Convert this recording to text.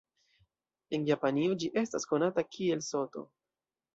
En Japanio, ĝi estas konata kiel Soto.